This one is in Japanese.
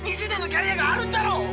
２０年のキャリアがあるんだろ！